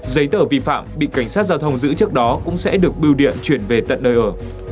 giấy tờ vi phạm bị cảnh sát giao thông giữ trước đó cũng sẽ được biêu điện chuyển về tận nơi ở